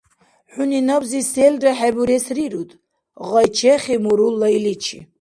- ХӀуни набзи селра хӀебурес рируд, - гъай чехиб мурулла иличи.